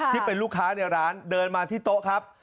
ที่เป็นลูกค้าในร้านเดินมาที่โต๊ะครับ